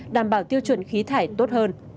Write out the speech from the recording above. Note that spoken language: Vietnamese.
đảm bảo tiêu chuẩn khí thải tốt hơn